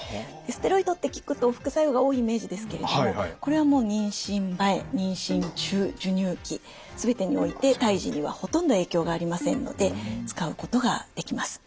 ステロイドって聞くと副作用が多いイメージですけれどもこれはもう妊娠前妊娠中授乳期全てにおいて胎児にはほとんど影響がありませんので使うことができます。